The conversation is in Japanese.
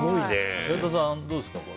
岩田さん、どうですか？